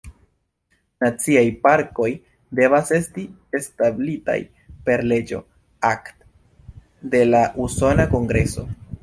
Naciaj parkoj devas esti establitaj per leĝo "act" de la Usona Kongreso.